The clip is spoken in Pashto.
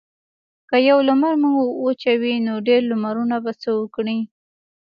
که یو لمر موږ وچوي نو ډیر لمرونه به څه وکړي.